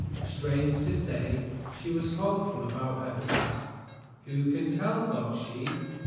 Strange to say, she was hopeful about her task. "Who can tell?" thought she.